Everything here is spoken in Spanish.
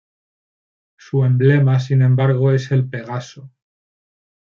Su emblema, sin embargo, es el Pegaso.